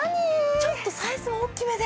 ちょっとサイズも大きめで。